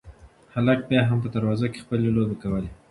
هلک بیا هم په دروازه کې خپلې لوبې کولې.